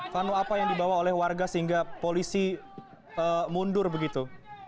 vano apa yang dibawa oleh warga sehingga polisi mundur begitu